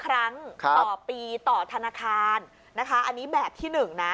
ครั้งต่อปีต่อธนาคารนะคะอันนี้แบบที่๑นะ